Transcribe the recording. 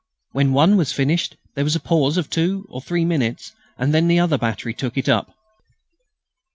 When one was finished there was a pause of two or three minutes. Then the other battery took it up.